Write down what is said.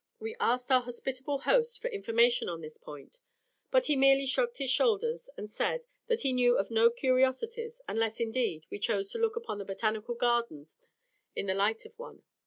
We asked our hospitable host for information on this point, but he merely shrugged his shoulders, and said, that he knew of no curiosities, unless, indeed, we chose to look upon the Botanical Garden in the light of one.